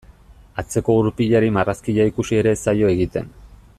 Atzeko gurpilari marrazkia ikusi ere ez zaio egiten.